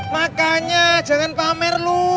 makanya jangan pamer lu